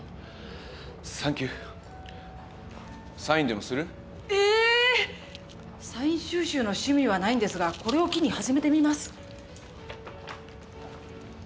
サイン収集の趣味はないんですがこれを機に始めてみます。